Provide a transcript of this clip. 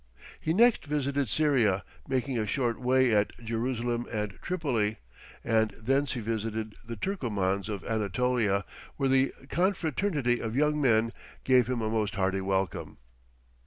He next visited Syria, making a short stay at Jerusalem and Tripoli, and thence he visited the Turkomans of Anatolia, where the "confraternity of young men" gave him a most hearty welcome.